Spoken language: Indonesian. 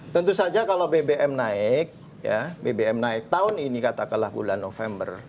tentu saja kalau bbm naik bbm naik tahun ini katakanlah bulan november